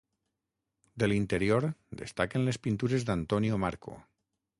De l'interior destaquen les pintures d'Antonio Marco.